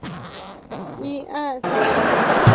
奥利安是美国纽约州卡特罗格斯郡的一个城市。